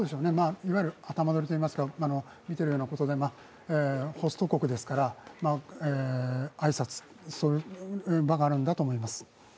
いわゆる頭撮りというか、見ているようなことで、ホスト国ですから、挨拶の場があるんだと思います。